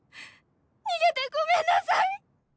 逃げてごめんなさい！